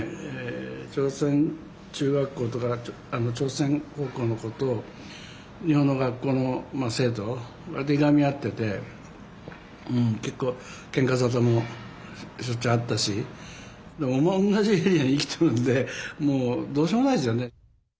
朝鮮中学校とか朝鮮高校の子と日本の学校の生徒わりといがみ合ってて結構けんか沙汰もしょっちゅうあったし同じエリアに生きとるんでもうどうしようもないですよね。